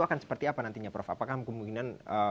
akan seperti apa nantinya prof apakah kemungkinan